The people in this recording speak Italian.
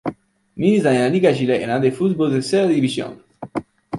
Milita nella Liga Chilena de Fútbol Tercera División.